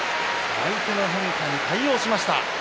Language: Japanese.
相手の変化に対応しました。